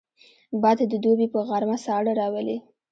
باد د دوبي په غرمه ساړه راولي